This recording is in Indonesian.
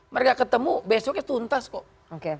mereka ketemu besoknya tuntas kok